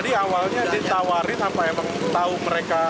ladi awalnya ditawarin apa emang tau mereka